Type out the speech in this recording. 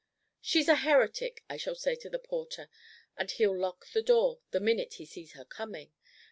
'She's a heretic,' I shall say to the porter, and he'll lock the door the minute he sees her coming.